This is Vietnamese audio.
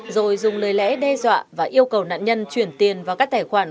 rồi dùng lời lẽ đe dọa và yêu cầu nạn nhân chuyển tiền vào các tài khoản